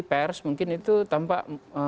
pers mungkin itu tampak